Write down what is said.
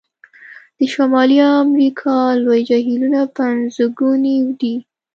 د شمالي امریکا لوی جهیلونه پنځګوني دي.